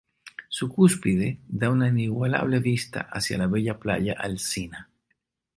Su cúspide da una inigualable vista hacia la bella playa Alsina.